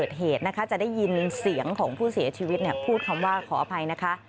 เพราะว่าผู้เสียชีวิตพูดคำว่าขออภัยนะคะ